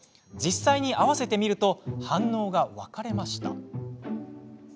実際に会わせてみると反応が分かれました。